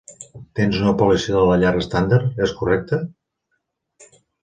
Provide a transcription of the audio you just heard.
Tens una pòlissa de la llar estàndard, és correcte?